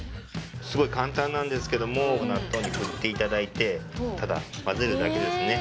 すごい簡単なんですけども納豆に振って頂いてただ混ぜるだけですね。